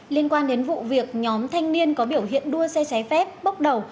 liên quan đến vụ việc nhóm thanh niên có biểu hiện đua xe trái phép bốc đầu